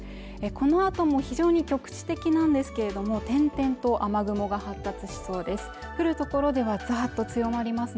このあとも非常に局地的なんですけれども点々と雨雲が発達しそうです